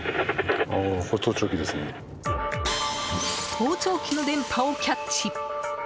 盗聴器の電波をキャッチ。